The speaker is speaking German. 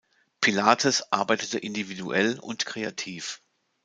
Pilates arbeitete individuell und kreativ.